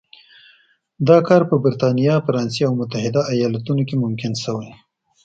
دا کار په برېټانیا، فرانسې او متحده ایالتونو کې ممکن شوی.